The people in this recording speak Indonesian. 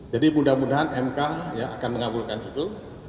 jadi mudah mudahan mk akan mengabulkan itu